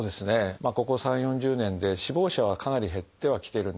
ここ３０４０年で死亡者はかなり減ってはきているんです。